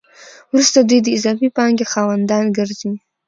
وروسته دوی د اضافي پانګې خاوندان ګرځي